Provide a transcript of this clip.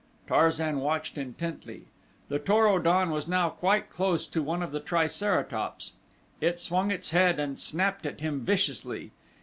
Tarzan watched intently. The Tor o don was now quite close to one of the triceratops. It swung its head and snapped at him viciously.